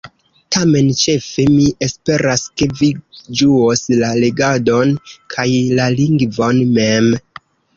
Tamen ĉefe mi esperas, ke vi ĝuos la legadon, kaj la lingvon mem.